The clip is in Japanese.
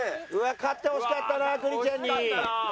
勝ってほしかったな栗ちゃんに。